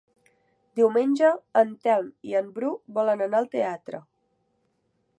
Diumenge en Telm i en Bru volen anar al teatre.